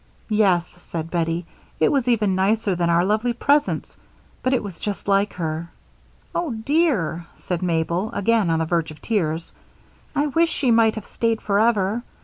"Yes," said Bettie, "it was even nicer than our lovely presents, but it was just like her." "Oh, dear," said Mabel, again on the verge of tears, "I wish she might have stayed forever.